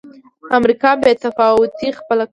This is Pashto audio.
امریکا بې تفاوتي خپله کړه.